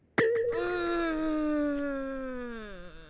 うん。